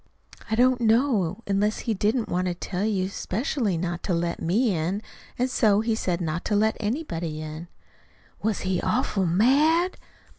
"I don't know unless he didn't want to tell you specially not to let me in, and so he said not to let anybody in." "Was he awful mad?"